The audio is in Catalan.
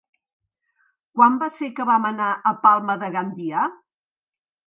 Quan va ser que vam anar a Palma de Gandia?